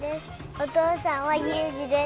お父さんはユージです。